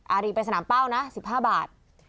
อารีไปสนามเป้านะ๑๕บาท